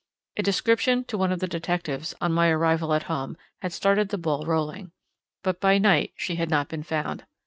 A description to one of the detectives, on my arrival at home, had started the ball rolling. But by night she had not been found.